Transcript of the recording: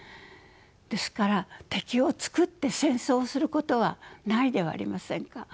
ですから敵を作って戦争をすることはないではありませんか。